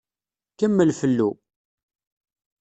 Kemmel fellu.